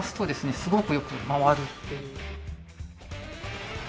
すごくよく回るっていう。